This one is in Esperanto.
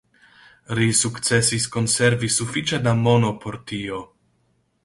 Ri sukcesis konservi sufiĉe da mono por tio.